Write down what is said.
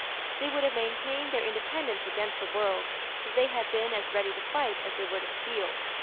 They would have maintained their independence against the world, if they had been as ready to fight as they were to steal.